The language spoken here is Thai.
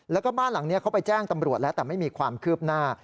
แล้วก็บ้านหลังนี้เขาไปแจ้งตำรวจแล้วแต่ไม่มีความคืบหน้า